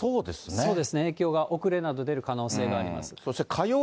そうですね、影響が遅れなど出る可能性があります。